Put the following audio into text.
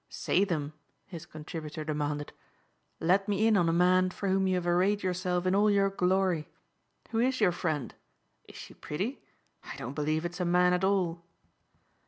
"Say them," his contributor demanded, "let me in on a man for whom you have arrayed yourself in all your glory. Who is your friend? Is she pretty? I don't believe it's a man at all."